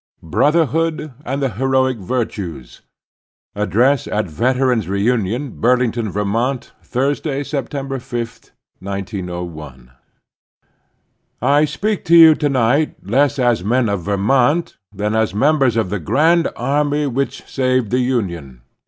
BROTHERHOOD AND THE HEROIC VIRTUES A0DRB88 AT Veterans' Reunion, Burlington, Vermont, Thursday, September 5, 1901 itf CHAPTER XVI. BROTHERHOOD AND THE HEROIC VIRTUES. I SPEAK to you to night less as men of Ver mont than as members of the Grand Army which saved the Union.